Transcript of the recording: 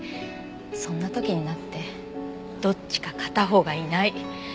そんな時になってどっちか片方がいない。